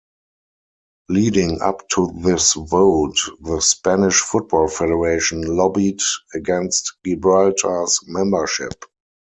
Leading up to this vote, the Spanish football federation lobbied against Gibraltar's membership.